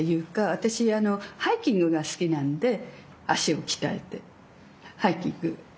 私ハイキングが好きなんで脚を鍛えてハイキング